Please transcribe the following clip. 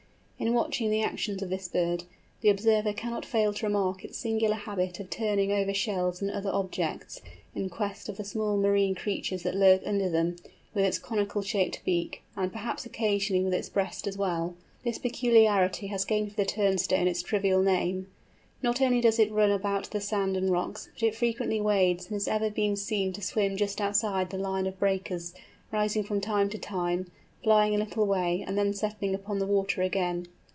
In watching the actions of this bird, the observer cannot fail to remark its singular habit of turning over shells and other objects, in quest of the small marine creatures that lurk under them, with its conical shaped beak, and perhaps occasionally with its breast as well. This peculiarity has gained for the Turnstone its trivial name. Not only does it run about the sand and rocks, but it frequently wades, and has even been seen to swim just outside the line of breakers, rising from time to time, flying a little way and then settling upon the water again.